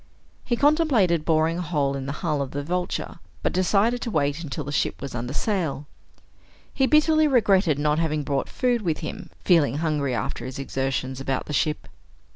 He contemplated boring a hole in the hull of the Vulture but decided to wait until the ship was under sail. He bitterly regretted not having brought food with him, feeling hungry after his exertions about the ship.